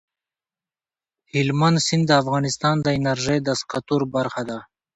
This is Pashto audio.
هلمند سیند د افغانستان د انرژۍ د سکتور برخه ده.